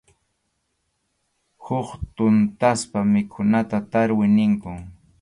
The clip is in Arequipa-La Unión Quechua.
Huk tuntaspa mikhunata tarwi ninkum.